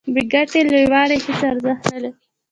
بې ګټې لویوالي هیڅ ارزښت نلري.